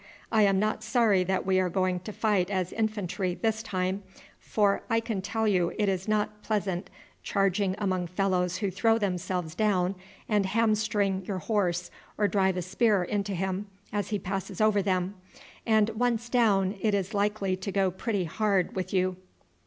"I am not sorry that we are going to fight as infantry this time, for I can tell you it is not pleasant charging among fellows who throw themselves down and hamstring your horse or drive a spear into him as he passes over them; and once down it is likely to go pretty hard with you."